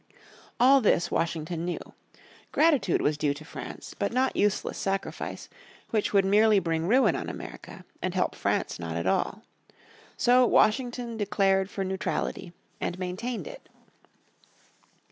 All this Washington knew. Gratitude was due to France, but not useless sacrifice, which would merely bring ruin on America, and help France not at all. So Washington declared for neutrality, and maintained it.